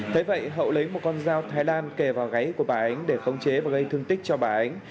thế vậy hậu lấy một con dao thái lan kề vào gáy của bà ánh để khống chế và gây thương tích cho bà ánh